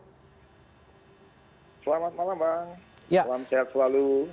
selamat malam bang salam sehat selalu